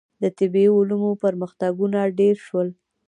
• د طبیعي علومو پرمختګونه ډېر شول.